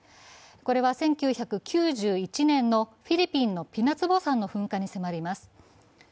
これは１９９１年のフィリピンのピナツボ山の噴火に迫ります。